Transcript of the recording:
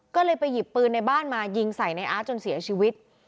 ก็เลยไปหยิบปืนในบ้านมายิงใส่ในอาร์ตจนเสียชีวิต